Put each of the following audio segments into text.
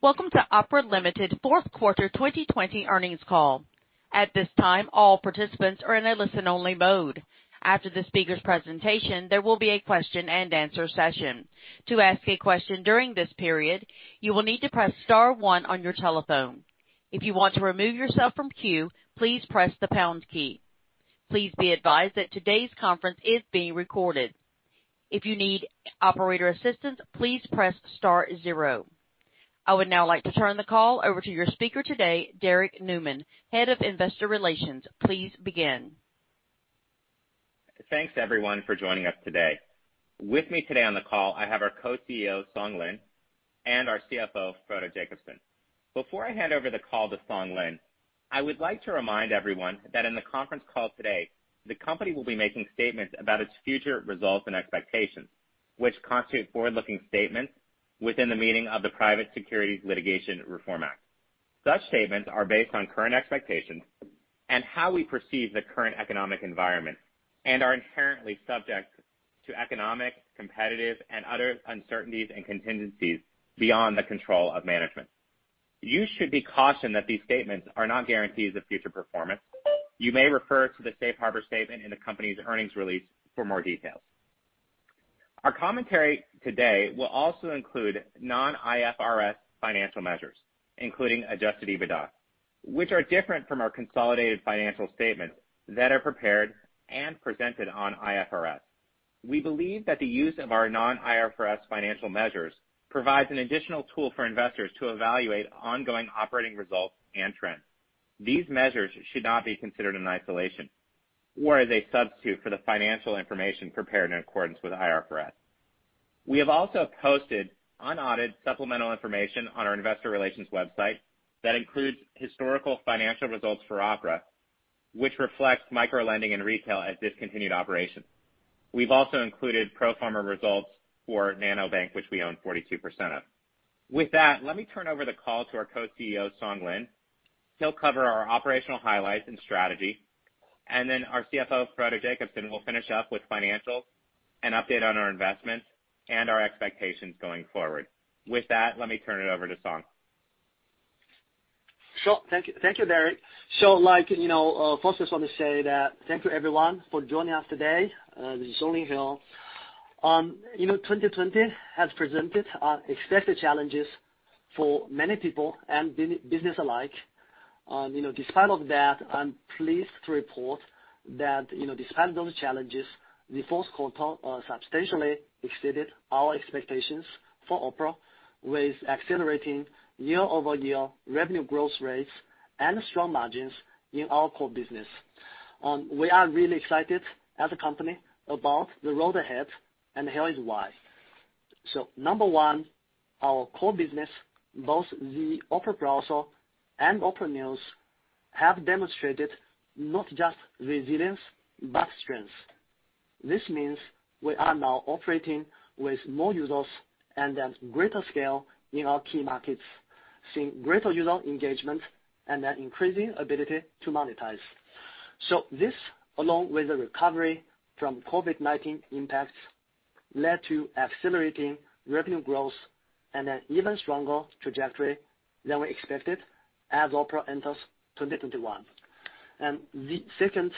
Welcome to Opera Limited's fourth quarter 2020 earnings call. At this time, all participants are in a listen-only mode. After the speaker's presentation, there will be a question-and-answer session. To ask a question during this period, you will need to press star one on your telephone. If you want to remove yourself from queue, please press the pound key. Please be advised that today's conference is being recorded. If you need operator assistance, please press star zero. I would now like to turn the call over to your speaker today, Derek Newman, Head of Investor Relations. Please begin. Thanks, everyone, for joining us today. With me today on the call, I have our co-CEO, Song Lin, and our CFO, Frode Jacobsen. Before I hand over the call to Song Lin, I would like to remind everyone that in the conference call today, the company will be making statements about its future results and expectations, which constitute forward-looking statements within the meaning of the Private Securities Litigation Reform Act. Such statements are based on current expectations and how we perceive the current economic environment and are inherently subject to economic, competitive, and other uncertainties and contingencies beyond the control of management. You should be cautioned that these statements are not guarantees of future performance. You may refer to the Safe Harbor statement in the company's earnings release for more details. Our commentary today will also include non-IFRS financial measures, including Adjusted EBITDA, which are different from our consolidated financial statements that are prepared and presented on IFRS. We believe that the use of our non-IFRS financial measures provides an additional tool for investors to evaluate ongoing operating results and trends. These measures should not be considered in isolation or as a substitute for the financial information prepared in accordance with IFRS. We have also posted unaudited supplemental information on our investor relations website that includes historical financial results for Opera, which reflects microlending and retail as discontinued operations. We've also included pro forma results for NanoBank, which we own 42% of. With that, let me turn over the call to our Co-CEO, Song Lin. He'll cover our operational highlights and strategy, and then our CFO, Frode Jacobsen, will finish up with financials, an update on our investments, and our expectations going forward. With that, let me turn it over to Song. Sure. Thank you, Derek. So, like first, I just want to say that thank you, everyone, for joining us today. This year has presented unexpected challenges for many people and businesses alike. Despite all of that, I'm pleased to report that despite those challenges, the fourth quarter substantially exceeded our expectations for Opera with accelerating year-over-year revenue growth rates and strong margins in our core business. We are really excited as a company about the road ahead and here is why. So, number one, our core business, both the Opera browser and Opera News, have demonstrated not just resilience but strength. This means we are now operating with more users and then greater scale in our key markets, seeing greater user engagement and then increasing ability to monetize. This, along with the recovery from COVID-19 impacts, led to accelerating revenue growth and an even stronger trajectory than we expected as Opera enters 2021. Second,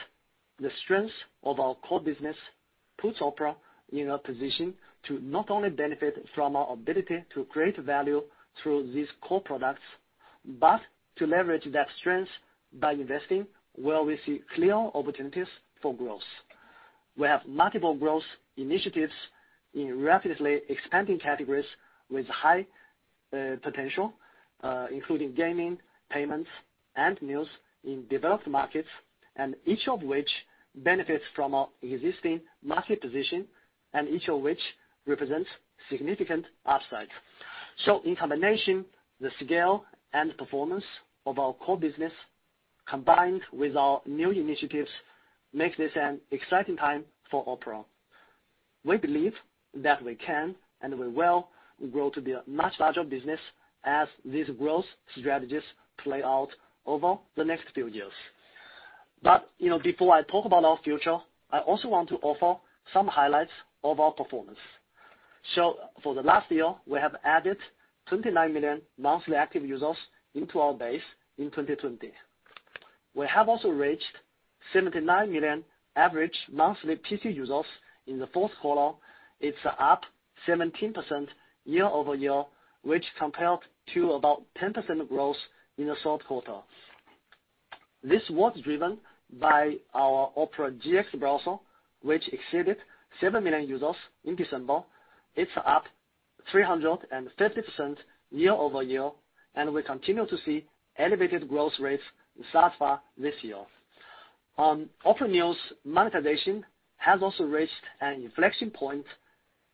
the strength of our core business puts Opera in a position to not only benefit from our ability to create value through these core products but to leverage that strength by investing where we see clear opportunities for growth. We have multiple growth initiatives in rapidly expanding categories with high potential, including gaming, payments, and news in developed markets, and each of which benefits from our existing market position and each of which represents significant upsides. In combination, the scale and performance of our core business combined with our new initiatives makes this an exciting time for Opera. We believe that we can and we will grow to be a much larger business as these growth strategies play out over the next few years. But before I talk about our future, I also want to offer some highlights of our performance. So, for the last year, we have added 29 million monthly active users into our base in 2020. We have also reached 79 million average monthly PC users in the fourth quarter. It's up 17% year-over-year, which compared to about 10% growth in the third quarter. This was driven by our Opera GX browser, which exceeded 7 million users in December. It's up 350% year-over-year, and we continue to see elevated growth rates thus far this year. Opera News monetization has also reached an inflection point.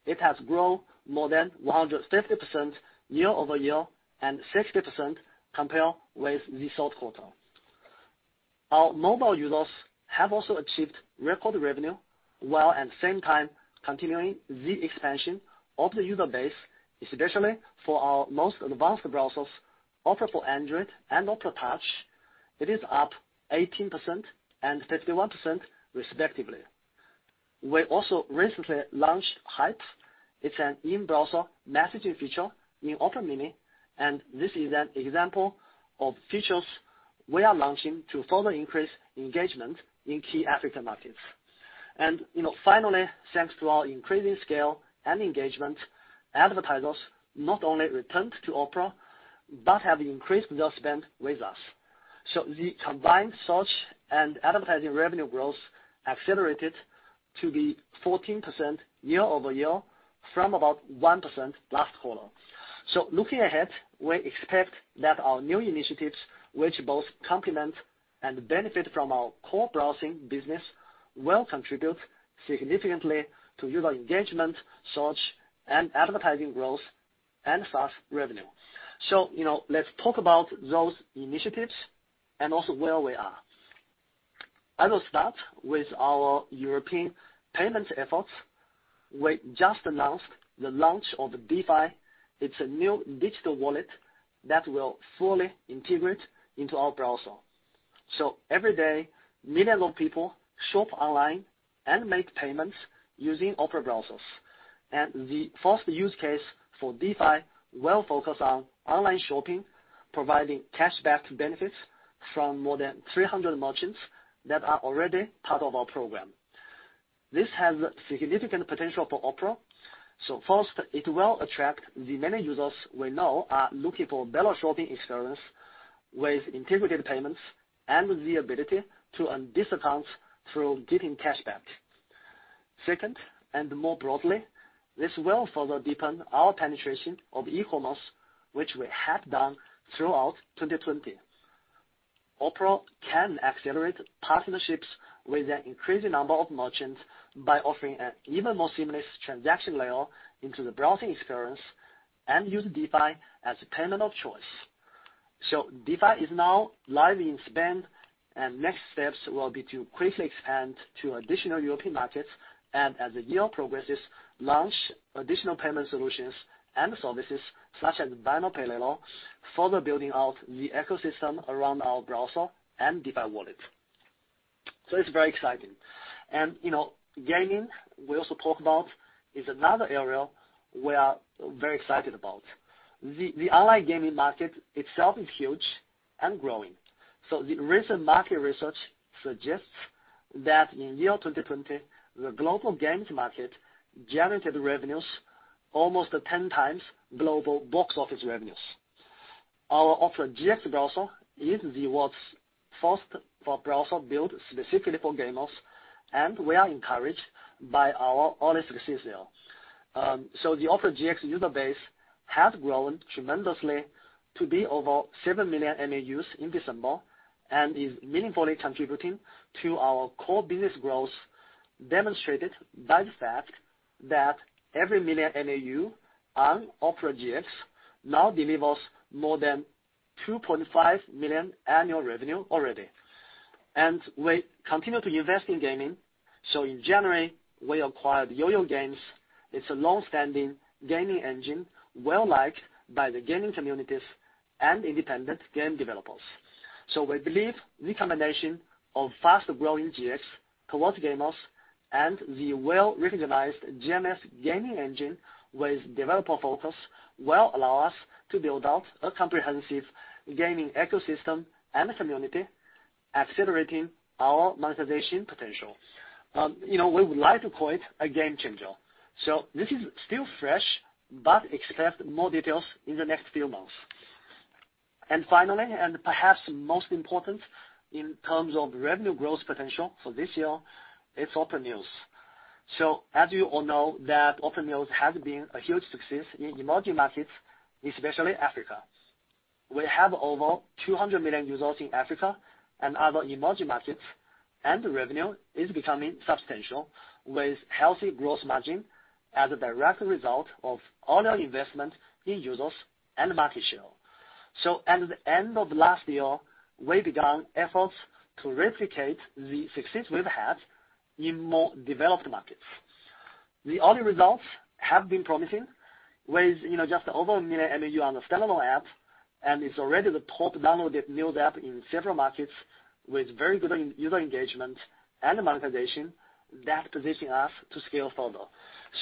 It has grown more than 150% year-over-year and 60% compared with the third quarter. Our mobile users have also achieved record revenue while at the same time continuing the expansion of the user base, especially for our most advanced browsers, Opera for Android and Opera Touch. It is up 18% and 51% respectively. We also recently launched Hype. It's an in-browser messaging feature in Opera Mini, and this is an example of features we are launching to further increase engagement in key African markets. And finally, thanks to our increasing scale and engagement, advertisers not only returned to Opera but have increased their spend with us. So, the combined search and advertising revenue growth accelerated to be 14% year-over-year from about 1% last quarter. So, looking ahead, we expect that our new initiatives, which both complement and benefit from our core browsing business, will contribute significantly to user engagement, search, and advertising growth, and thus revenue. Let's talk about those initiatives and also where we are. I will start with our European payments efforts. We just announced the launch of Dify. It's a new digital wallet that will fully integrate into our browser. Every day, millions of people shop online and make payments using Opera browsers. The first use case for Dify will focus on online shopping, providing cashback benefits from more than 300 merchants that are already part of our program. This has significant potential for Opera. First, it will attract the many users we know are looking for a better shopping experience with integrated payments and the ability to earn discounts through getting cashback. Second, and more broadly, this will further deepen our penetration of e-commerce, which we have done throughout 2020. Opera can accelerate partnerships with an increasing number of merchants by offering an even more seamless transaction layer into the browsing experience and use Dify as a payment of choice, so Dify is now live in Spain, and next steps will be to quickly expand to additional European markets and, as the year progresses, launch additional payment solutions and services such as buy now, pay later, further building out the ecosystem around our browser and Dify wallet, so it's very exciting, and gaming, we also talk about, is another area we are very excited about. The online gaming market itself is huge and growing, so the recent market research suggests that in year 2020, the global gaming market generated revenues almost 10 times global box office revenues. Our Opera GX browser is the world's first browser built specifically for gamers, and we are encouraged by our ongoing success here. The Opera GX user base has grown tremendously to be over seven million MAUs in December and is meaningfully contributing to our core business growth, demonstrated by the fact that every million MAU on Opera GX now delivers more than 2.5 million annual revenue already. We continue to invest in gaming. In January, we acquired YoYo Games. It's a long-standing gaming engine well-liked by the gaming communities and independent game developers. We believe the combination of fast-growing GX towards gamers and the well-recognized GMS gaming engine with developer focus will allow us to build out a comprehensive gaming ecosystem and community, accelerating our monetization potential. We would like to call it a game changer. This is still fresh, but expect more details in the next few months. Finally, and perhaps most important in terms of revenue growth potential for this year, it's Opera News. So, as you all know, Opera News has been a huge success in emerging markets, especially Africa. We have over 200 million users in Africa and other emerging markets, and the revenue is becoming substantial with healthy gross margin as a direct result of earlier investment in users and market share. So, at the end of last year, we began efforts to replicate the success we've had in more developed markets. The earlier results have been promising with just over a million MAU on the standalone app, and it's already the top-downloaded news app in several markets with very good user engagement and monetization that position us to scale further.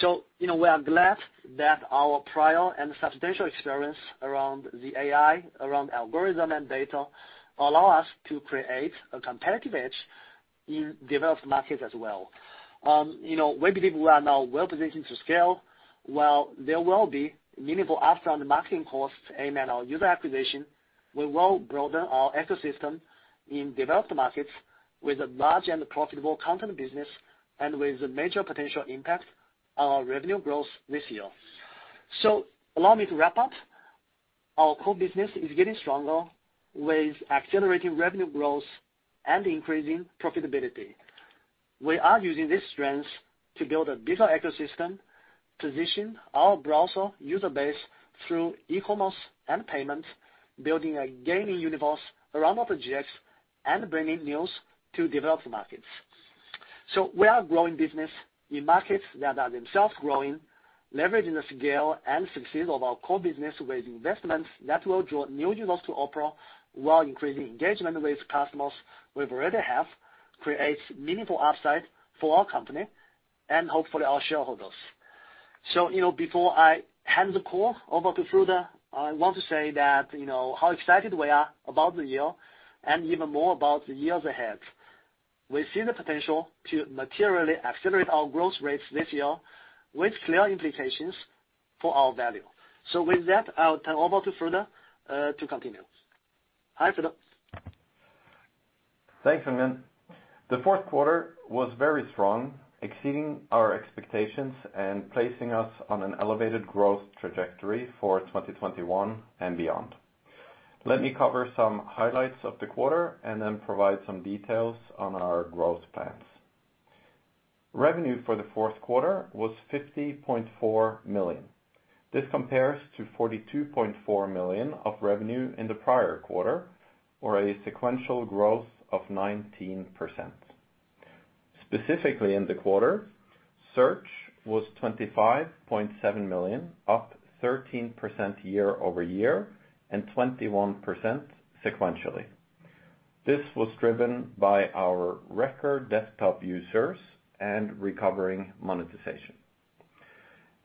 So, we are glad that our prior and substantial experience around the AI, around algorithm and data allows us to create a competitive edge in developed markets as well. We believe we are now well-positioned to scale while there will be meaningful upfront marketing costs and our user acquisition. We will broaden our ecosystem in developed markets with a large and profitable content business and with major potential impact on our revenue growth this year. So, allow me to wrap up. Our core business is getting stronger with accelerating revenue growth and increasing profitability. We are using these strengths to build a bigger ecosystem, position our browser user base through e-commerce and payments, building a gaming universe around Opera GX and bringing news to developed markets. So, we are a growing business in markets that are themselves growing, leveraging the scale and success of our core business with investments that will draw new users to Opera while increasing engagement with customers we already have, creates meaningful upside for our company and hopefully our shareholders. So, before I hand the call over to Frode, I want to say that how excited we are about the year and even more about the years ahead. We see the potential to materially accelerate our growth rates this year with clear implications for our value. So, with that, I'll turn over to Frode to continue. Hi, Frode. Thanks, Song Lin. The fourth quarter was very strong, exceeding our expectations and placing us on an elevated growth trajectory for 2021 and beyond. Let me cover some highlights of the quarter and then provide some details on our growth plans. Revenue for the fourth quarter was $50.4 million. This compares to $42.4 million of revenue in the prior quarter, or a sequential growth of 19%. Specifically in the quarter, search was $25.7 million, up 13% year-over-year and 21% sequentially. This was driven by our record desktop users and recovering monetization.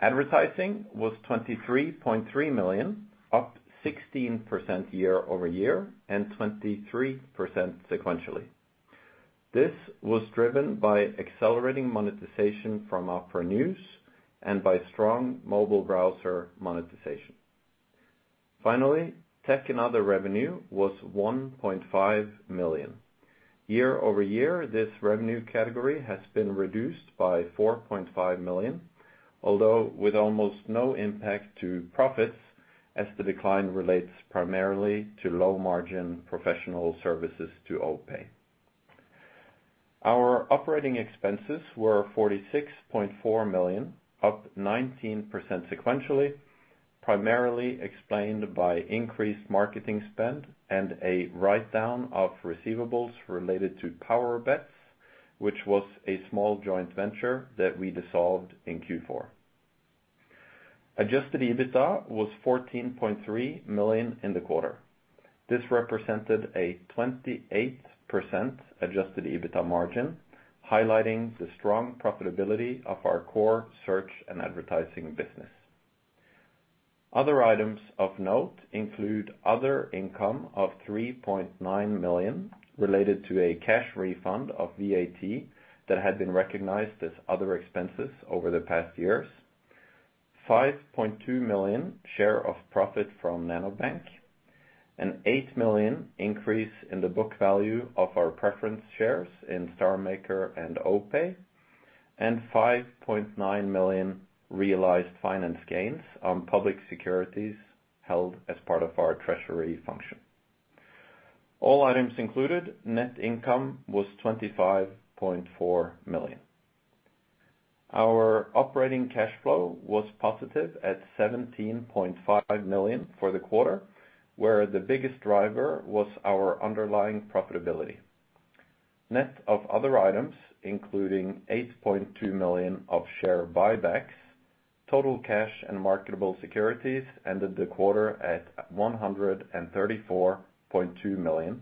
Advertising was $23.3 million, up 16% year-over-year and 23% sequentially. This was driven by accelerating monetization from Opera News and by strong mobile browser monetization. Finally, tech and other revenue was $1.5 million. Year-over-year, this revenue category has been reduced by $4.5 million, although with almost no impact to profits as the decline relates primarily to low-margin professional services to OPay. Our operating expenses were $46.4 million, up 19% sequentially, primarily explained by increased marketing spend and a write-down of receivables related to PowerBets, which was a small joint venture that we dissolved in Q4. Adjusted EBITDA was $14.3 million in the quarter. This represented a 28% adjusted EBITDA margin, highlighting the strong profitability of our core search and advertising business. Other items of note include other income of $3.9 million related to a cash refund of VAT that had been recognized as other expenses over the past years, $5.2 million share of profit from NanoBank, an $8 million increase in the book value of our preference shares in StarMaker and OPay, and $5.9 million realized finance gains on public securities held as part of our treasury function. All items included, net income was $25.4 million. Our operating cash flow was positive at $17.5 million for the quarter, where the biggest driver was our underlying profitability. Net of other items, including $8.2 million of share buybacks, total cash and marketable securities ended the quarter at $134.2 million,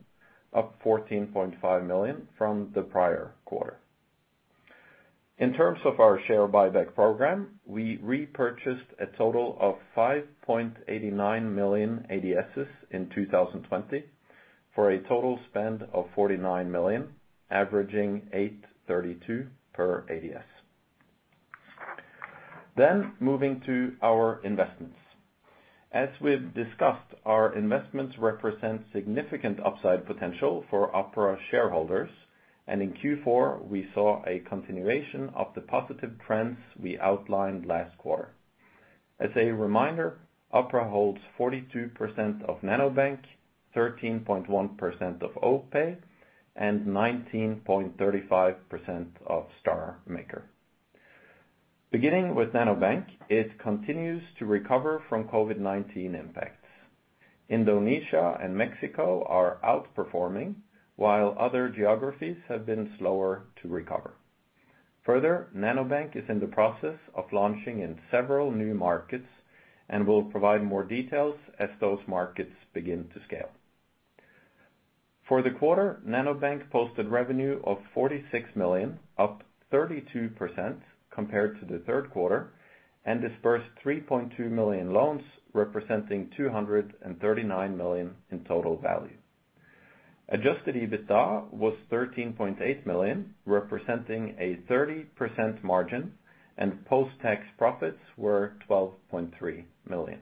up $14.5 million from the prior quarter. In terms of our share buyback program, we repurchased a total of 5.89 million ADSs in 2020 for a total spend of $49 million, averaging $8.32 per ADS, then moving to our investments. As we've discussed, our investments represent significant upside potential for Opera shareholders, and in Q4, we saw a continuation of the positive trends we outlined last quarter. As a reminder, Opera holds 42% of NanoBank, 13.1% of OPay, and 19.35% of StarMaker. Beginning with NanoBank, it continues to recover from COVID-19 impacts. Indonesia and Mexico are outperforming, while other geographies have been slower to recover. Further, NanoBank is in the process of launching in several new markets and will provide more details as those markets begin to scale. For the quarter, NanoBank posted revenue of $46 million, up 32% compared to the third quarter, and disbursed 3.2 million loans, representing $239 million in total value. Adjusted EBITDA was $13.8 million, representing a 30% margin, and post-tax profits were $12.3 million.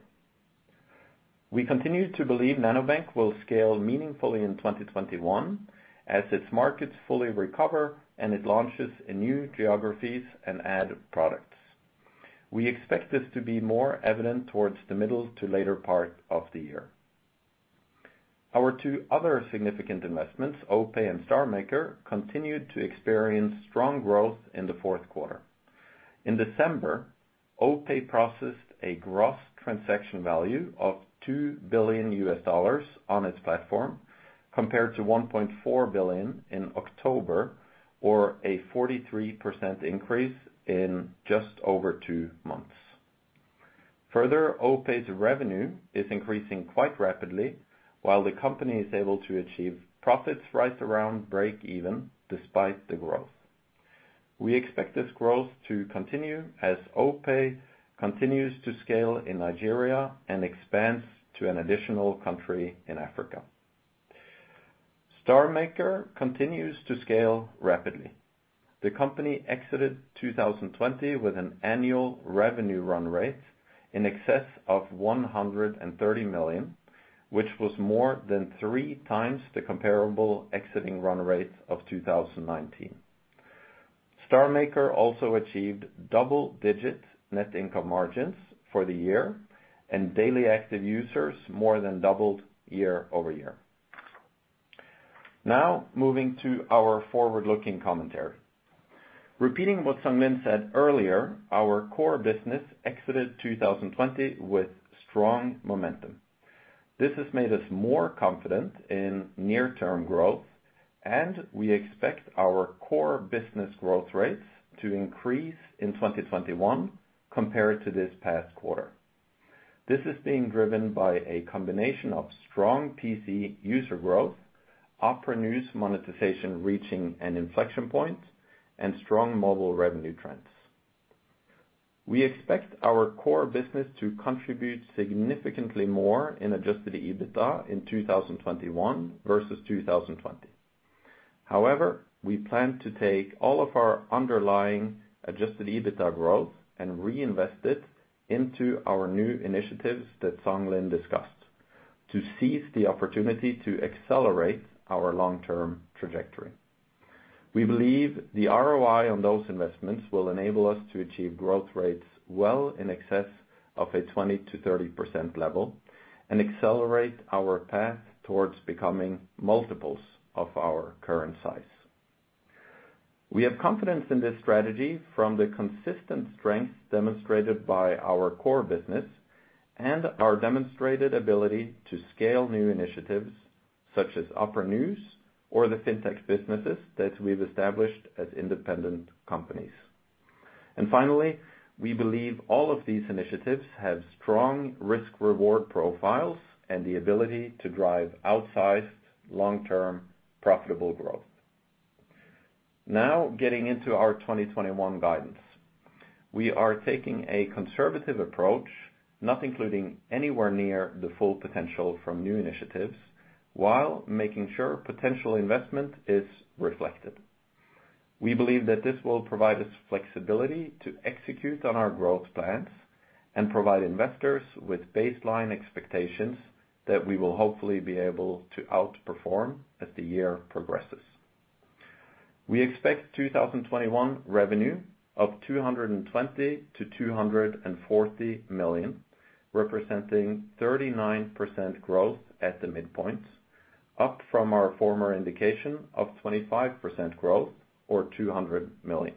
We continue to believe NanoBank will scale meaningfully in 2021 as its markets fully recover and it launches in new geographies and add products. We expect this to be more evident towards the middle to later part of the year. Our two other significant investments, OPay and StarMaker, continued to experience strong growth in the fourth quarter. In December, OPay processed a gross transaction value of $2 billion on its platform, compared to $1.4 billion in October, or a 43% increase in just over two months. Further, OPay's revenue is increasing quite rapidly, while the company is able to achieve profits right around break-even despite the growth. We expect this growth to continue as OPay continues to scale in Nigeria and expands to an additional country in Africa. StarMaker continues to scale rapidly. The company exited 2020 with an annual revenue run rate in excess of $130 million, which was more than three times the comparable exiting run rate of 2019. StarMaker also achieved double-digit net income margins for the year and daily active users more than doubled year-over-year. Now, moving to our forward-looking commentary. Repeating what Song Lin said earlier, our core business exited 2020 with strong momentum. This has made us more confident in near-term growth, and we expect our core business growth rates to increase in 2021 compared to this past quarter. This is being driven by a combination of strong PC user growth, Opera News monetization reaching an inflection point, and strong mobile revenue trends. We expect our core business to contribute significantly more in adjusted EBITDA in 2021 versus 2020. However, we plan to take all of our underlying Adjusted EBITDA growth and reinvest it into our new initiatives that Song Lin discussed to seize the opportunity to accelerate our long-term trajectory. We believe the ROI on those investments will enable us to achieve growth rates well in excess of a 20%-30% level and accelerate our path towards becoming multiples of our current size. We have confidence in this strategy from the consistent strength demonstrated by our core business and our demonstrated ability to scale new initiatives such as Opera News or the fintech businesses that we've established as independent companies. And finally, we believe all of these initiatives have strong risk-reward profiles and the ability to drive outsized, long-term, profitable growth. Now, getting into our 2021 guidance, we are taking a conservative approach, not including anywhere near the full potential from new initiatives while making sure potential investment is reflected. We believe that this will provide us flexibility to execute on our growth plans and provide investors with baseline expectations that we will hopefully be able to outperform as the year progresses. We expect 2021 revenue of $220-$240 million, representing 39% growth at the midpoint, up from our former indication of 25% growth or $200 million.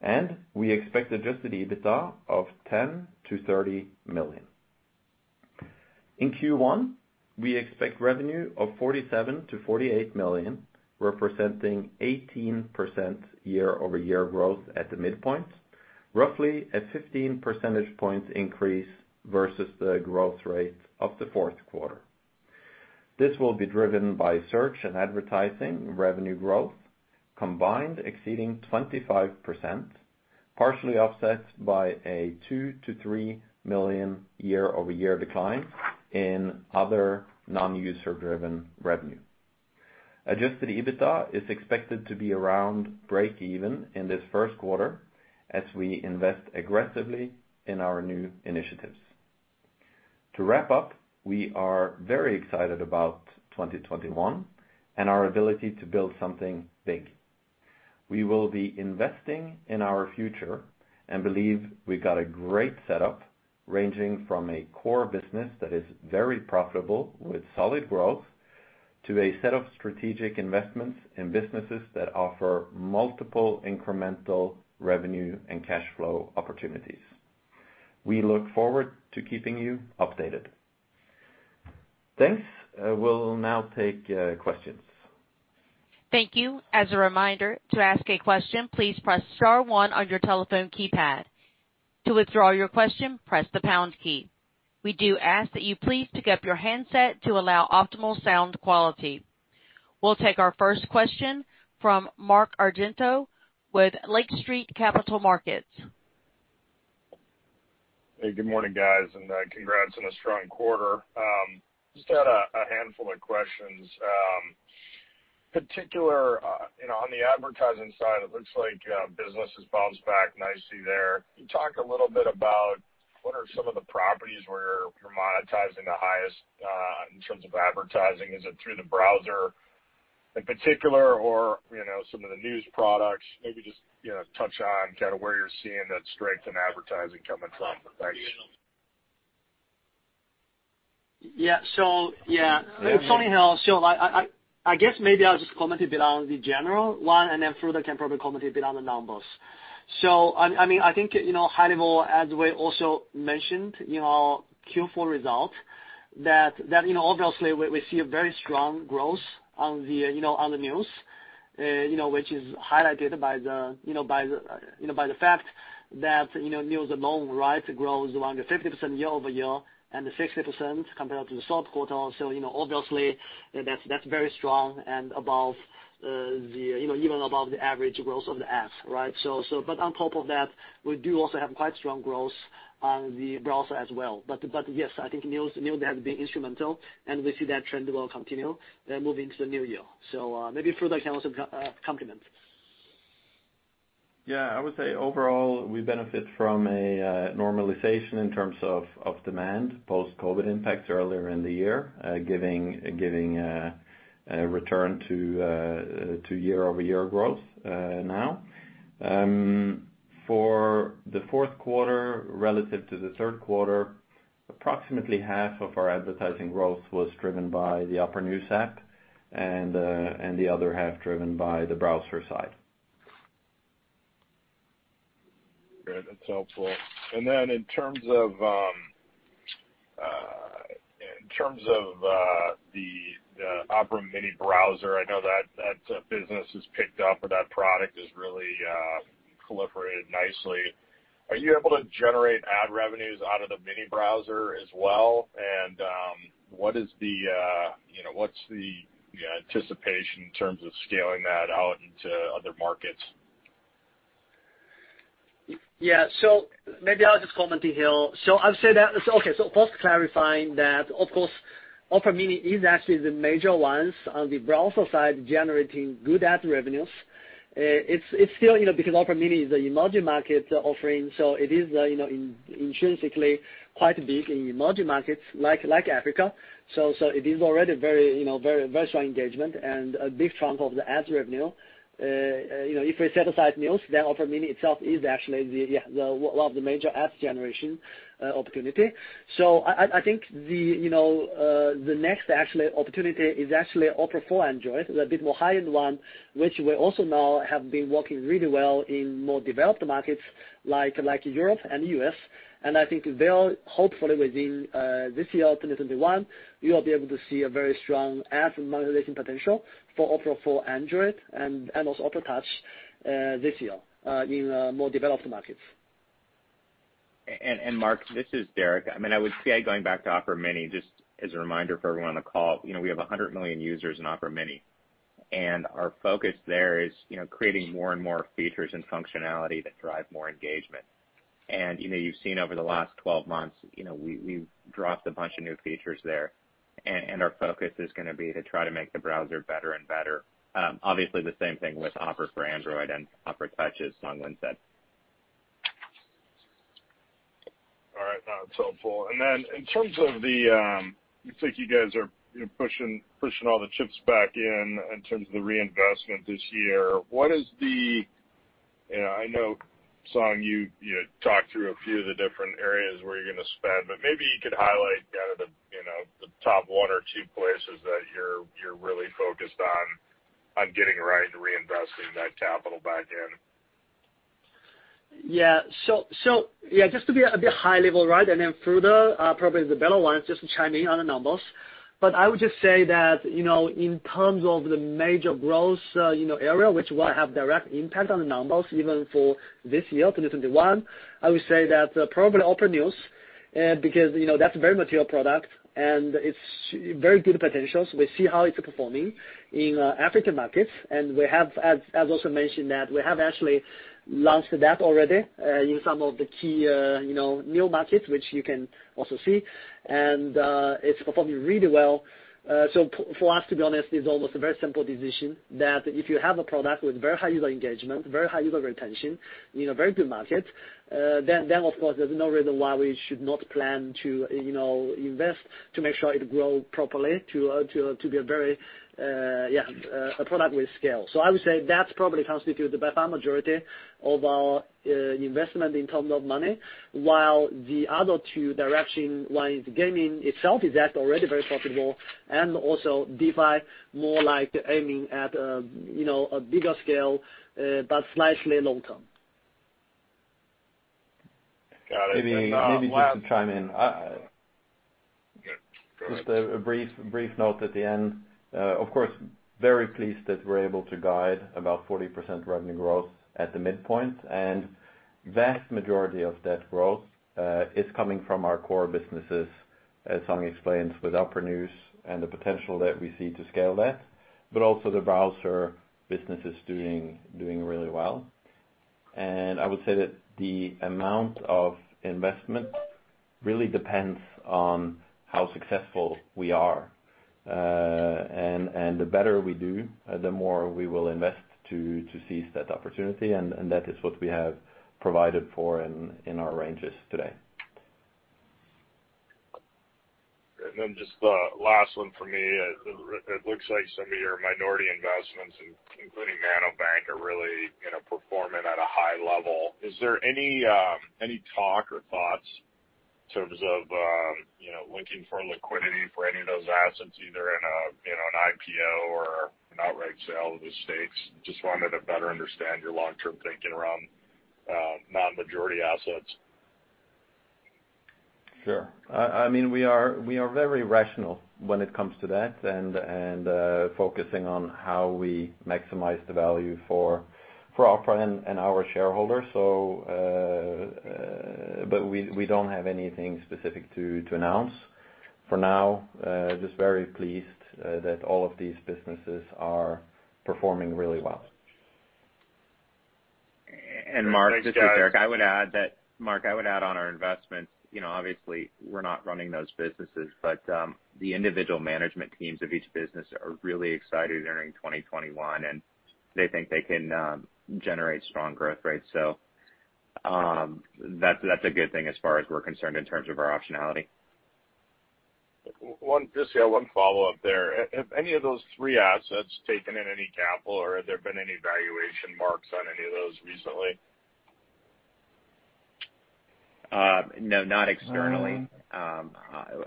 And we expect Adjusted EBITDA of $10-$30 million. In Q1, we expect revenue of $47-$48 million, representing 18% year-over-year growth at the midpoint, roughly a 15 percentage point increase versus the growth rate of the fourth quarter. This will be driven by search and advertising revenue growth combined exceeding 25%, partially offset by a 2-3 million year-over-year decline in other non-user-driven revenue. Adjusted EBITDA is expected to be around break-even in this first quarter as we invest aggressively in our new initiatives. To wrap up, we are very excited about 2021 and our ability to build something big. We will be investing in our future and believe we've got a great setup ranging from a core business that is very profitable with solid growth to a set of strategic investments in businesses that offer multiple incremental revenue and cash flow opportunities. We look forward to keeping you updated. Thanks. We'll now take questions. Thank you. As a reminder, to ask a question, please press star one on your telephone keypad. To withdraw your question, press the pound key. We do ask that you please pick up your handset to allow optimal sound quality. We'll take our first question from Mark Argento with Lake Street Capital Markets. Hey, good morning, guys, and congrats on a strong quarter. Just had a handful of questions. Particularly on the advertising side, it looks like business has bounced back nicely there. Can you talk a little bit about what are some of the properties where you're monetizing the highest in terms of advertising? Is it through the browser in particular or some of the news products? Maybe just touch on kind of where you're seeing that strength in advertising coming from. Thanks. Yeah. Go ahead. I guess maybe I'll just comment a bit on the general one, and then Frode can probably comment a bit on the numbers. So, I mean, I think high level, as we also mentioned, Q4 result, that obviously we see a very strong growth on the news, which is highlighted by the fact that news alone grows around 50% year-over-year and 60% compared to the soft quarter. So obviously, that's very strong and even above the average growth of the apps, right? But on top of that, we do also have quite strong growth on the browser as well. But yes, I think news has been instrumental, and we see that trend will continue moving into the new year. So maybe Frode can also complement. Yeah. I would say overall, we benefit from a normalization in terms of demand post-COVID impacts earlier in the year, giving a return to year-over-year growth now. For the fourth quarter relative to the third quarter, approximately half of our advertising growth was driven by the Opera News app and the other half driven by the browser side. Good. That's helpful, and then in terms of the Opera Mini browser, I know that business has picked up, but that product has really proliferated nicely. Are you able to generate ad revenues out of the Mini browser as well? And what is the anticipation in terms of scaling that out into other markets? Yeah. So maybe I'll just comment, Song Lin. So I'll say that. Okay. So first clarifying that, of course, Opera Mini is actually the major ones on the browser side generating good ad revenues. It's still because Opera Mini is an emerging market offering, so it is intrinsically quite big in emerging markets like Africa. So it is already very strong engagement and a big chunk of the ad revenue. If we set aside news, then Opera Mini itself is actually one of the major ads generation opportunity. So I think the next actually opportunity is actually Opera for Android, the bit more high-end one, which we also now have been working really well in more developed markets like Europe and the U.S. I think hopefully within this year, 2021, you'll be able to see a very strong ad monetization potential for Opera for Android and also Opera Touch this year in more developed markets. Mark, this is Derek. I would say going back to Opera Mini, just as a reminder for everyone on the call, we have 100 million users in Opera Mini, and our focus there is creating more and more features and functionality that drive more engagement. You've seen over the last 12 months, we've dropped a bunch of new features there, and our focus is going to be to try to make the browser better and better. Obviously, the same thing with Opera for Android and Opera Touch, as Song Lin said. All right. That's helpful. And then in terms of, it looks like you guys are pushing all the chips back in in terms of the reinvestment this year. What is... I know, Song, you talked through a few of the different areas where you're going to spend, but maybe you could highlight kind of the top one or two places that you're really focused on getting right and reinvesting that capital back in. Yeah, just to be a bit high level, right? And then Frode probably is the better one just to chime in on the numbers. But I would just say that in terms of the major growth area, which will have direct impact on the numbers even for this year, 2021, I would say that probably Opera News because that's a very mature product and it's very good potential. So we see how it's performing in African markets. And we have, as also mentioned, that we have actually launched that already in some of the key new markets, which you can also see. And it's performing really well. So for us, to be honest, it's almost a very simple decision that if you have a product with very high user engagement, very high user retention, very good market, then of course, there's no reason why we should not plan to invest to make sure it grows properly to be a very, yeah, a product with scale. So I would say that probably constitutes the by far majority of our investment in terms of money, while the other two directions, one is gaming itself, is that already very profitable, and also Dify, more like aiming at a bigger scale, but slightly long-term. Got it. Maybe just to chime in. Go ahead. Just a brief note at the end. Of course, very pleased that we're able to guide about 40% revenue growth at the midpoint, and vast majority of that growth is coming from our core businesses, as Song explains, with Opera News and the potential that we see to scale that, but also the browser business is doing really well, and I would say that the amount of investment really depends on how successful we are, and the better we do, the more we will invest to seize that opportunity, and that is what we have provided for in our ranges today. And then just the last one for me. It looks like some of your minority investments, including NanoBank, are really performing at a high level. Is there any talk or thoughts in terms of looking for liquidity for any of those assets, either in an IPO or an outright sale of the stakes? Just wanted to better understand your long-term thinking around non-majority assets. Sure. I mean, we are very rational when it comes to that and focusing on how we maximize the value for Opera and our shareholders. But we don't have anything specific to announce for now. Just very pleased that all of these businesses are performing really well. And Mark, this is Derek. I would add that, Mark, on our investments, obviously, we're not running those businesses, but the individual management teams of each business are really excited during 2021, and they think they can generate strong growth rates. So that's a good thing as far as we're concerned in terms of our optionality. Just one follow-up there. Have any of those three assets taken in any capital, or have there been any valuation marks on any of those recently? No, not externally.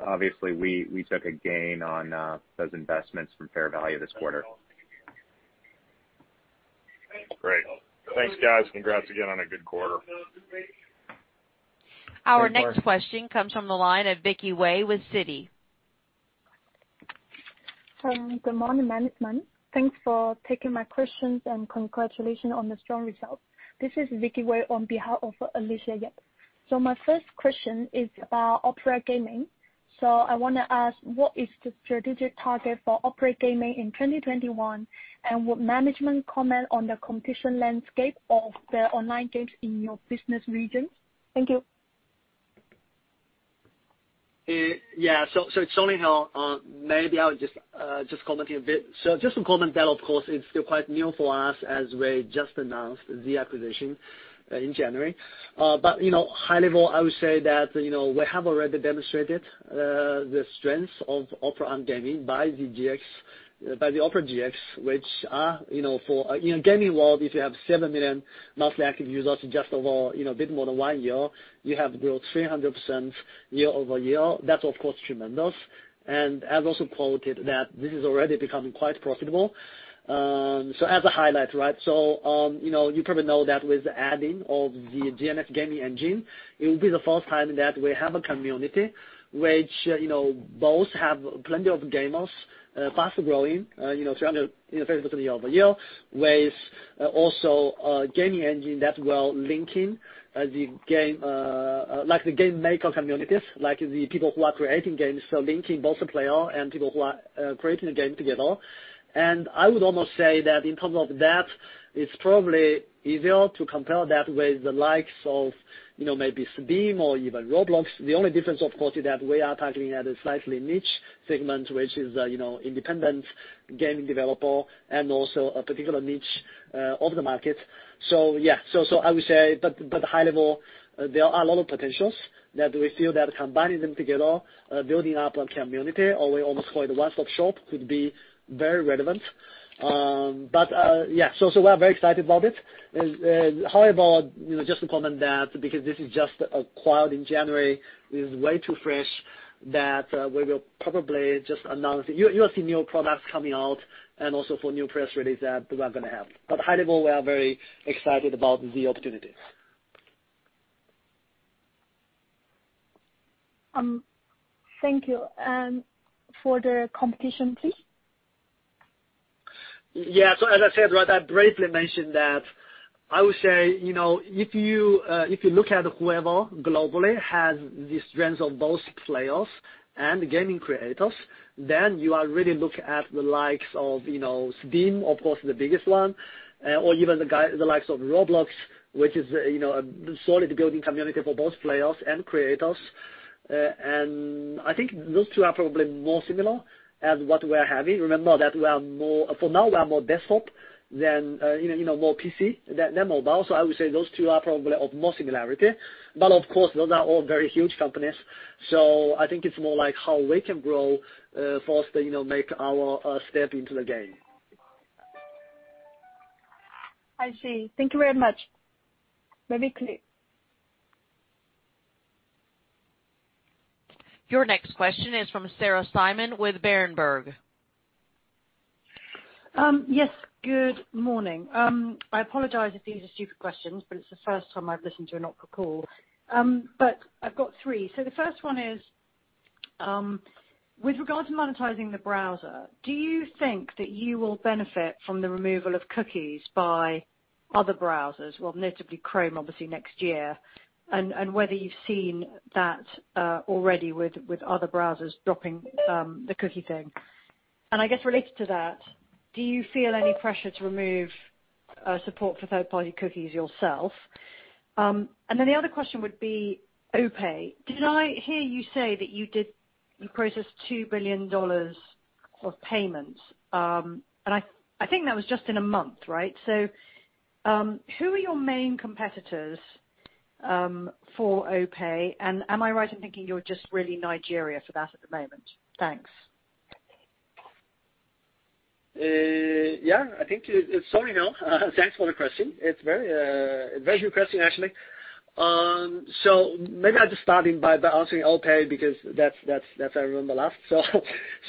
Obviously, we took a gain on those investments from fair value this quarter. Great. Thanks, guys. Congrats again on a good quarter. Our next question comes from the line of Vicki Wei with Citi. Good morning, management. Thanks for taking my questions and congratulations on the strong results. This is Vicky Wei on behalf of Alicia Yap. So my first question is about Opera Gaming. So I want to ask, what is the strategic target for Opera Gaming in 2021, and would management comment on the competition landscape of the online games in your business region? Thank you. Yeah. So it's only maybe I would just comment a bit. So just to comment that, of course, it's still quite new for us as we just announced the acquisition in January. But high level, I would say that we have already demonstrated the strength of Opera on gaming by the Opera GX, which are for in a gaming world, if you have 7 million monthly active users just over a bit more than one year, you have grown 300% year-over-year. That's, of course, tremendous. And I've also quoted that this is already becoming quite profitable. So as a highlight, right? So you probably know that with the adding of the GMS Gaming Engine, it will be the first time that we have a community which both have plenty of gamers, fast-growing, 300% year-over-year, with also a gaming engine that will link in the GameMaker communities, like the people who are creating games, so linking both the player and people who are creating the game together. And I would almost say that in terms of that, it's probably easier to compare that with the likes of maybe Steam or even Roblox. The only difference, of course, is that we are targeting at a slightly niche segment, which is independent gaming developer and also a particular niche of the market. So yeah, so I would say, but high level, there are a lot of potentials that we feel that combining them together, building up a community, or we almost call it a one-stop shop, could be very relevant. But yeah, so we're very excited about it. However, just to comment that because this is just acquired in January, it is way too fresh that we will probably just announce it. You will see new products coming out and also for new press releases that we're going to have. But high level, we are very excited about the opportunity. Thank you. Frode, competition, please. Yeah, so as I said, right, I briefly mentioned that I would say if you look at whoever globally has the strengths of both players and gaming creators, then you are really looking at the likes of Steam, of course, the biggest one, or even the likes of Roblox, which is a solid building community for both players and creators, and I think those two are probably more similar as what we're having. Remember that we are more for now, we are more desktop than more PC than mobile, so I would say those two are probably of more similarity, but of course, those are all very huge companies, so I think it's more like how we can grow for us to make our step into the game. I see. Thank you very much. Very clear. Your next question is from Sarah Simon with Berenberg. Yes. Good morning. I apologize if these are stupid questions, but it's the first time I've listened to an Opera call. But I've got three. So the first one is, with regards to monetizing the browser, do you think that you will benefit from the removal of cookies by other browsers, well, notably Chrome, obviously, next year, and whether you've seen that already with other browsers dropping the cookie thing? And I guess related to that, do you feel any pressure to remove support for third-party cookies yourself? And then the other question would be OPay. Did I hear you say that you processed $2 billion of payments? And I think that was just in a month, right? So who are your main competitors for OPay? And am I right in thinking you're just really in Nigeria for that at the moment? Thanks. Yeah. I think it's all in all. Thanks for the question. It's very interesting, actually. So maybe I'll just start by answering OPay because that's what I remember last.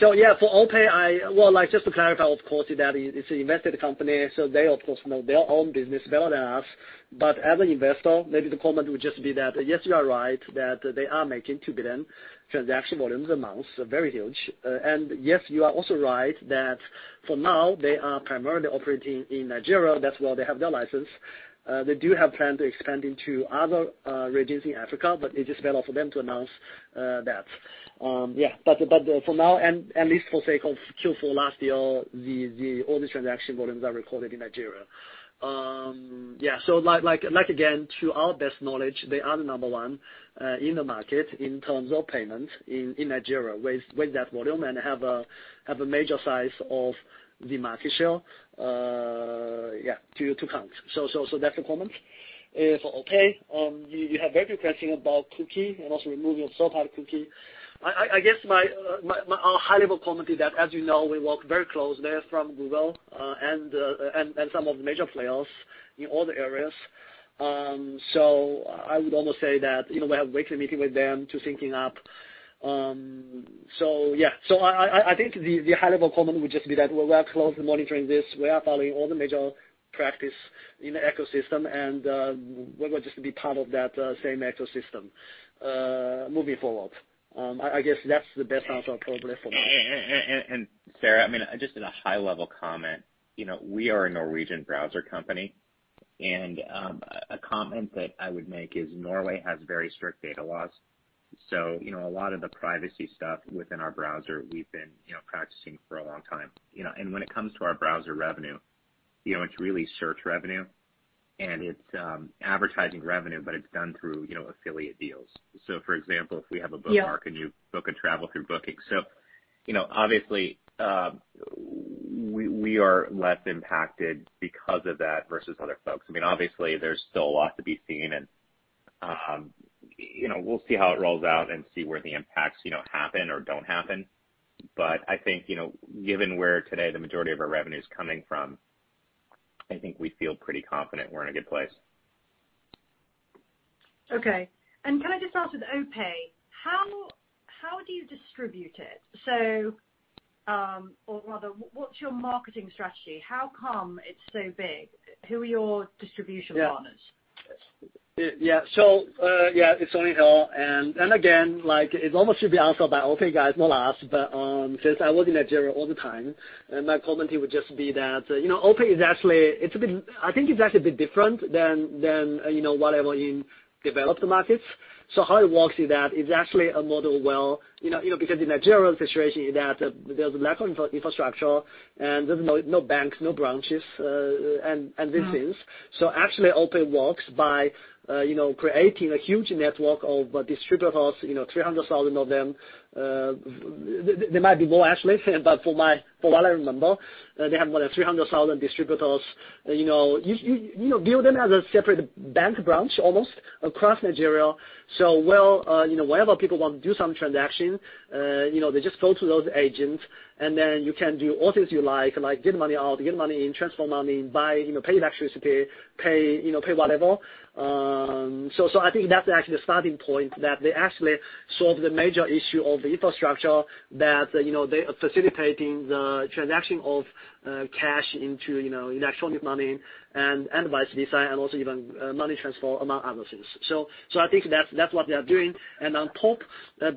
So yeah, for OPay, well, just to clarify, of course, that it's an invested company. So they, of course, know their own business better than us. But as an investor, maybe the comment would just be that, yes, you are right, that they are making two billion transaction volumes amounts, very huge. And yes, you are also right that for now, they are primarily operating in Nigeria. That's where they have their license. They do have plans to expand into other regions in Africa, but it is better for them to announce that. Yeah. But for now, at least for sake of Q4 last year, the other transaction volumes are recorded in Nigeria. So again, to our best knowledge, they are the number one in the market in terms of payments in Nigeria with that volume and have a major size of the market share, yeah, to count. So that's the comment. For OPay, you have very good question about cookie and also removing third-party cookie. I guess my high-level comment is that, as you know, we work very closely from Google and some of the major players in all the areas. So I would almost say that we have weekly meetings with them to sync up. So yeah. So I think the high-level comment would just be that we are closely monitoring this. We are following all the major practices in the ecosystem, and we will just be part of that same ecosystem moving forward. I guess that's the best answer probably for me. And Sarah, I mean, just at a high-level comment, we are a Norwegian browser company. And a comment that I would make is Norway has very strict data laws. So a lot of the privacy stuff within our browser, we've been practicing for a long time. And when it comes to our browser revenue, it's really search revenue, and it's advertising revenue, but it's done through affiliate deals. So for example, if we have a bookmark and you book a travel through Booking. So obviously, we are less impacted because of that versus other folks. I mean, obviously, there's still a lot to be seen, and we'll see how it rolls out and see where the impacts happen or don't happen. But I think given where today the majority of our revenue is coming from, I think we feel pretty confident we're in a good place. Okay. And can I just ask with OPay, how do you distribute it? Or rather, what's your marketing strategy? How come it's so big? Who are your distribution partners? Yeah, Song Lin here. And again, it's almost to be answered by OPay guys, not us. But since I work in Nigeria all the time, my comment would just be that OPay is actually I think it's actually a bit different than whatever in developed markets. So how it works is that it's actually a model well because in Nigeria's situation, there's a lack of infrastructure and there's no banks, no branches, and these things. So actually, OPay works by creating a huge network of distributors, 300,000 of them. There might be more, actually, but for what I remember, they have more than 300,000 distributors. You view them as a separate bank branch almost across Nigeria. So whenever people want to do some transaction, they just go to those agents, and then you can do all things you like, like get money out, get money in, transfer money, buy pay electricity, pay whatever. So I think that's actually the starting point that they actually solve the major issue of the infrastructure that they are facilitating the transaction of cash into electronic money and vice versa, and also even money transfer among other things. So I think that's what they are doing. And on top,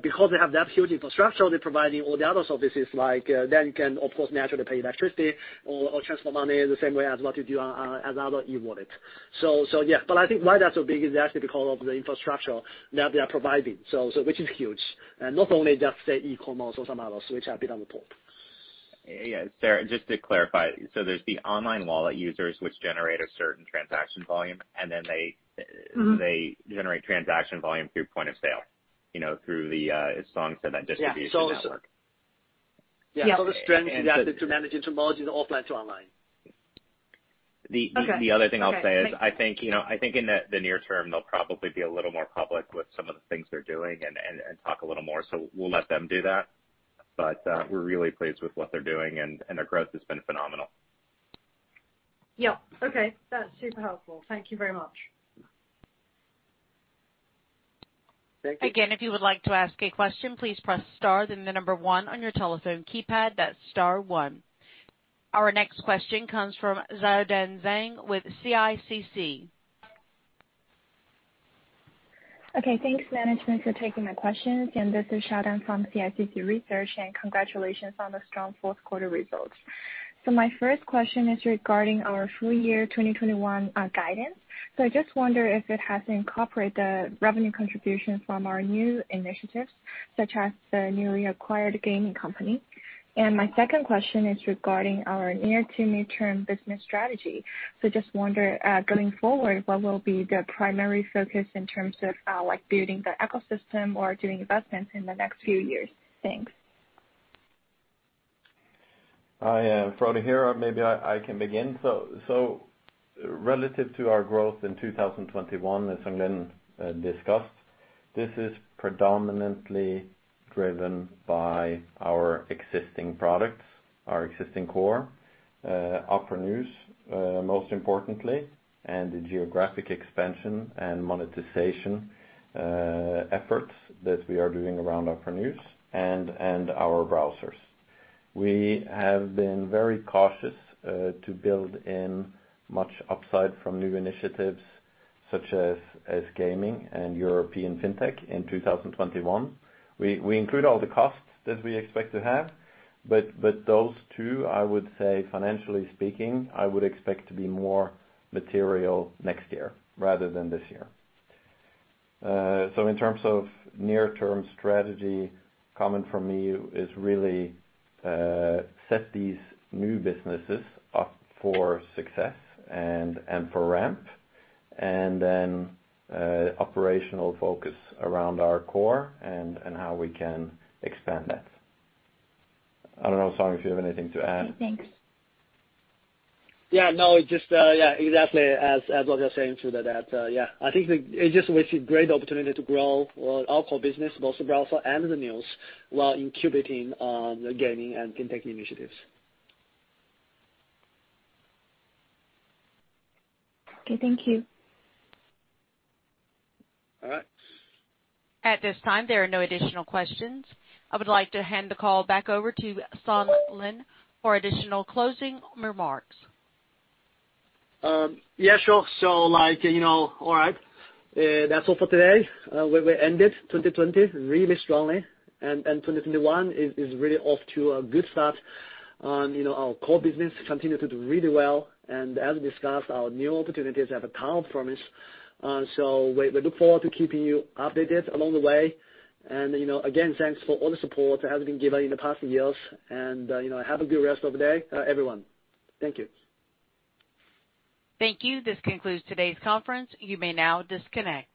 because they have that huge infrastructure, they're providing all the other services like that you can, of course, naturally pay electricity or transfer money the same way as what you do as other e-wallets. So yeah. But I think why that's so big is actually because of the infrastructure that they are providing, which is huge. And not only just, say, e-commerce or some others which are a bit on the top. Yeah. Sarah, just to clarify, so there's the online wallet users which generate a certain transaction volume, and then they generate transaction volume through point of sale, through the shops that then distribute to the network. Yeah, so the strength is actually to manage it from both offline to online. The other thing I'll say is I think in the near term, they'll probably be a little more public with some of the things they're doing and talk a little more. So we'll let them do that. But we're really pleased with what they're doing, and their growth has been phenomenal. Yeah. Okay. That's super helpful. Thank you very much. Thank you. Again, if you would like to ask a question, please press star then the number one on your telephone keypad. That's star one. Our next question comes from Shaodan Zhao with CICC. Okay. Thanks, management, for taking my questions, and this is Shaodan from CICC Research, and congratulations on the strong fourth-quarter results. My first question is regarding our full year 2021 guidance, so I just wonder if it has incorporated the revenue contributions from our new initiatives such as the newly acquired gaming company. My second question is regarding our near to midterm business strategy, so just wonder going forward, what will be the primary focus in terms of building the ecosystem or doing investments in the next few years? Thanks. Hi. Frode here. Maybe I can begin, so relative to our growth in 2021, as Song Lin discussed, this is predominantly driven by our existing products, our existing core, Opera News most importantly, and the geographic expansion and monetization efforts that we are doing around Opera News and our browsers. We have been very cautious to build in much upside from new initiatives such as gaming and European fintech in 2021. We include all the costs that we expect to have. But those two, I would say, financially speaking, I would expect to be more material next year rather than this year, so in terms of near-term strategy, comment from me is really set these new businesses up for success and for ramp, and then operational focus around our core and how we can expand that. I don't know, so if you have anything to add. Thanks. Yeah. No, just yeah, exactly as what you're saying through that. Yeah. I think it just was a great opportunity to grow our core business, both the browser and the news, while incubating gaming and fintech initiatives. Okay. Thank you. All right. At this time, there are no additional questions. I would like to hand the call back over to Song Lin for additional closing remarks. Yeah. Sure, so all right. That's all for today. We ended 2020 really strongly, and 2021 is really off to a good start. Our core business continued to do really well, and as we discussed, our new opportunities have a ton of promise, so we look forward to keeping you updated along the way, and again, thanks for all the support that has been given in the past years, and have a good rest of the day, everyone. Thank you. Thank you. This concludes today's conference. You may now disconnect.